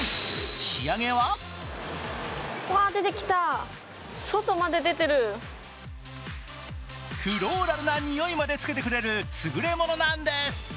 仕上げはフローラルな匂いまでつけてくれるすぐれものなんです。